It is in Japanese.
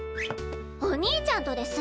お兄ちゃんとです！